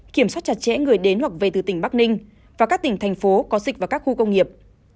kiểm soát chặt chẽ người đến hoặc về từ tỉnh bắc ninh và các tỉnh thành phố có dịch và các khu công nghiệp